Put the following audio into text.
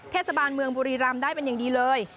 เทศบาลเมืองบุรีรำได้เป็นอย่างดีเลย